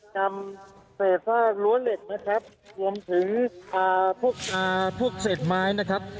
นำเศษซากรั้วเหล็กนะครับรวมถึงพวกเศษไม้นะครับ